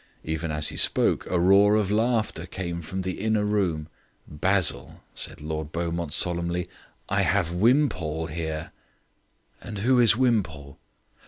Even as he spoke a roar of laughter came from the inner room. "Basil," said Lord Beaumont solemnly, "I have Wimpole here." "And who is Wimpole?"